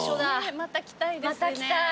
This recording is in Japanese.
また来たいですね。